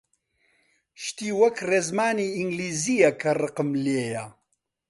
شتی وەک ڕێزمانی ئینگلیزییە کە ڕقم لێیە!